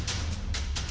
cara yang membuat